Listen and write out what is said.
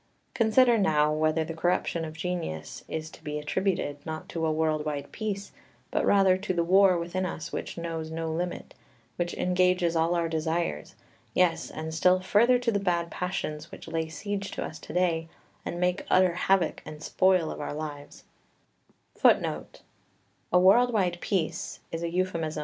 Consider, now, whether the corruption of genius is to be attributed, not to a world wide peace, but rather to the war within us which knows no limit, which engages all our desires, yes, and still further to the bad passions which lay siege to us to day, and make utter havoc and spoil of our lives.